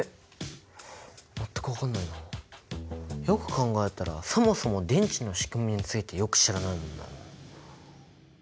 よく考えたらそもそも電池のしくみについてよく知らないもんな。